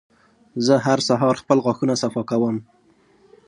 زه هر سهار خپل غاښونه صفا کوم.